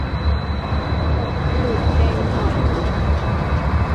หก สูตรแกงหอย